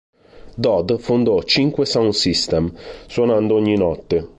Dodd fondò cinque sound system, suonando ogni notte.